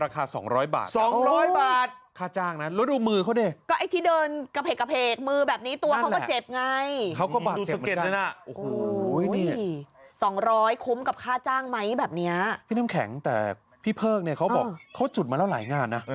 กระย่องกระแย่งเหมือนกัน